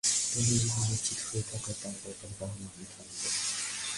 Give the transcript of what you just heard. তুমি যদি নিশ্চিত হয়ে থাক তার ব্যাপারে তাহলে আমি থামবো।